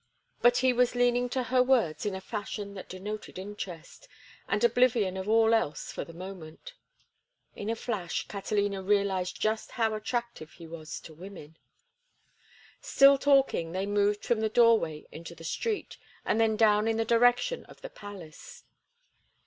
But he was leaning to her words in a fashion that denoted interest, and oblivion of all else for the moment. In a flash Catalina realized just how attractive he was to women. Still talking, they moved from the doorway into the street, and then down in the direction of the palace.